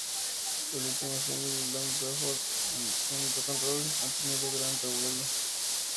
El último single "Long Before Rock and Roll" ha tenido gran revuelo.